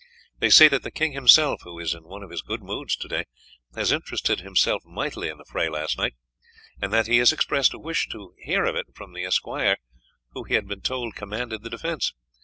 They say that the king himself, who is in one of his good moods to day, has interested himself mightily in the fray last night, and that he has expressed a wish to hear of it from the esquire who he has been told commanded the defence.